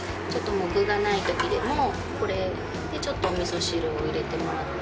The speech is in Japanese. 具がないときでもこれでお味噌汁を入れてもらって。